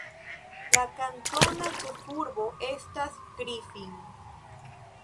La kantona ĉefurbo estas Griffin.